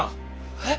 えっ？